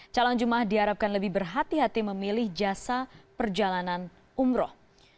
calon jemaah diharapkan lebih berhati hati memilih jasa perjalanan umroh